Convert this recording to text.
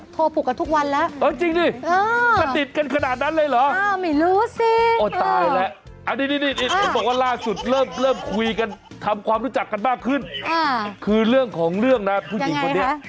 โทรฝุกกันทุกวันนั้นแล้วเออจริงดิ